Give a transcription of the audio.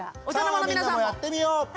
さあみんなもやってみよう！